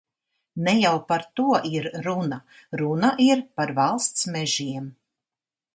Ne jau par to ir runa, runa ir par valsts mežiem.